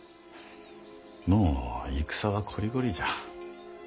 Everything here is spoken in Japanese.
もう戦はこりごりじゃ。